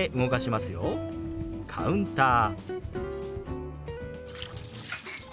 「カウンター」。